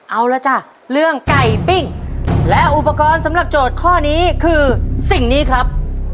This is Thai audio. เอาละจ้ะเรื่องไก่ปิ้งและอุปกรณ์สำหรับโจทย์ข้อนี้คือสิ่งนี้ครับ